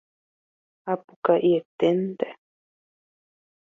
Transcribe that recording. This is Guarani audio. Apukaiténte.